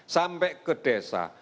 sampai ke desa